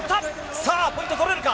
さあ、ポイントを取れるか。